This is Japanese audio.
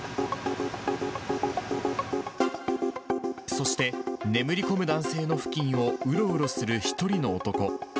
そして、眠り込む男性の付近をうろうろする１人の男。